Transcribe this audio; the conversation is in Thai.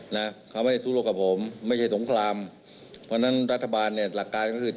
ผลศัตริย์ไปสารสมาธิการขาดของต่อแล้ว